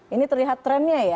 ini terlihat trendnya ya